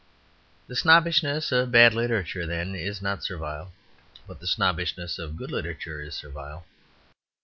The snobbishness of bad literature, then, is not servile; but the snobbishness of good literature is servile.